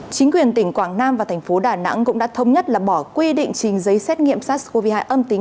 chính quyền tỉnh quảng nam và thành phố đà nẵng cũng đã thống nhất là bỏ quy định trình giấy xét nghiệm sars cov hai âm tính